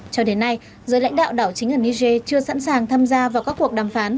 cho đến nay giới lãnh đạo đảo chính ở niger chưa sẵn sàng tham gia vào các cuộc đàm phán